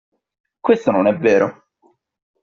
Questo non è vero.